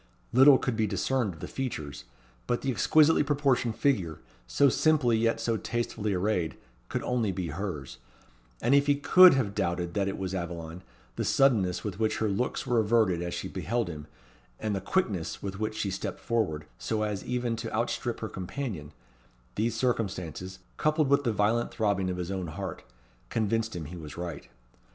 Little could be discerned of the features; but the exquisitely proportioned figure, so simply yet so tastefully arrayed, could only be hers; and if he could have doubted that it was Aveline, the suddenness with which her looks were averted as she beheld him, and the quickness with which she stepped forward, so as even to outstrip her companion these circumstances, coupled with the violent throbbing of his own heart, convinced him he was right.